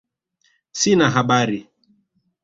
Sina habari